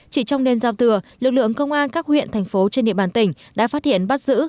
chỉ trong đêm giao thừa lực lượng công an các huyện thành phố trên địa bàn tỉnh đã phát hiện bắt giữ